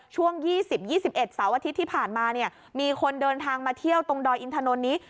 ช่วง๒๐๒๑เสาร์อาทิตย์ที่ผ่านมาเนี่ยมีคนเดินทางมาเที่ยวตรงดอยอินทนนท์นี้